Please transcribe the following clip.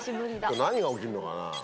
何が起きるのかな？